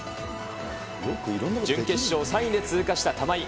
準決勝を３位で通過した玉井。